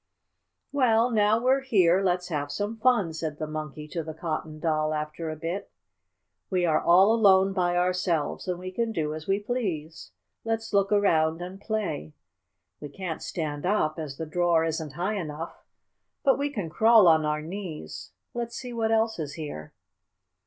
"Well, now we're here, let's have some fun," said the Monkey to the Cotton Doll after a bit. "We are all alone by ourselves, and we can do as we please. Let's look around and play. We can't stand up, as the drawer isn't high enough, but we can crawl on our knees. Let's see what else is here."